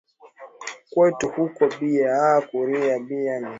Kwetu kuko bia kuria bia mingi bile mama ari leta kutoka ku pori